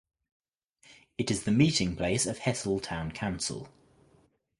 It is the meeting place of Hessle Town Council.